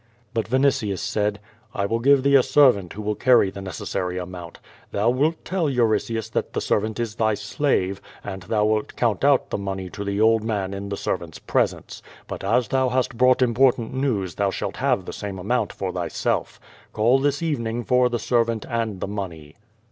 But Vinitius said: "I will give thee a servant who will carry the necesssary amount. Thou wilt tell Euritius that the servant is thy slave, and thou wilt count out the money 124 ^^^ VAnif9. to the old man in the servant's presence. But as thou hast brought important news thou shalt have the same amount for thyself. Call this evening for the servant and the money."